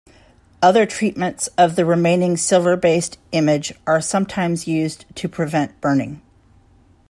Other treatments of the remaining silver-based image are sometimes used to prevent "burning".